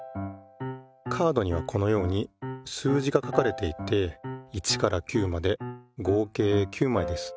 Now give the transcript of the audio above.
カードにはこのように数字が書かれていて１から９まで合計９まいです。